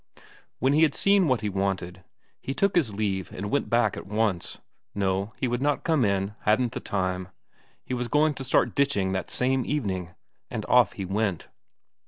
When he had seen what he wanted, he took his leave and went back at once. No, he would not come in, hadn't the time; he was going to start ditching that same evening. And off he went.